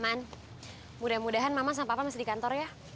mudah mudahan mudah mudahan mama sama papa masih di kantor ya